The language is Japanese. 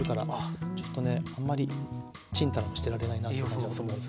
ちょっとねあんまりちんたらもしてられないなという感じがするんですが。